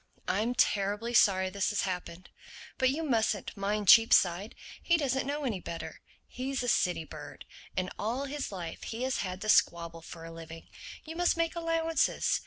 "I'm terribly sorry this has happened. But you mustn't mind Cheapside; he doesn't know any better. He's a city bird; and all his life he has had to squabble for a living. You must make allowances.